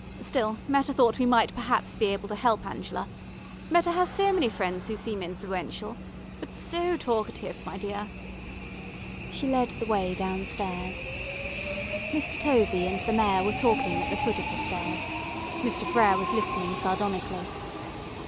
Still, Meta thought we might perhaps be able to help Angela.... Meta has many friends who seem influential ... but so talkative, my dear." She led the way downstairs. Mr. Tovey and the Mayor were talking at the foot of the stairs, Mr. Frere was listening sardonically.